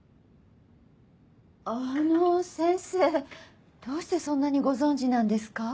あの先生どうしてそんなにご存じなんですか？